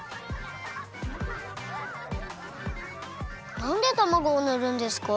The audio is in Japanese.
なんでたまごをぬるんですか？